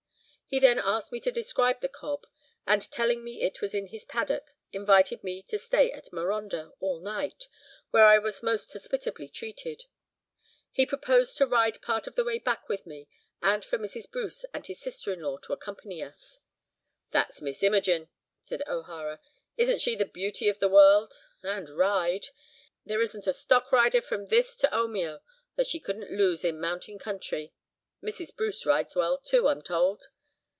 He then asked me to describe the cob, and telling me it was in his paddock, invited me to stay at Marondah all night, where I was most hospitably treated. He proposed to ride part of the way back with me, and for Mrs. Bruce and his sister in law to accompany us." "That's Miss Imogen," said O'Hara. "Isn't she the beauty of the world? And ride! There isn't a stockrider from this to Omeo that she couldn't lose in mountain country. Mrs. Bruce rides well too, I'm told."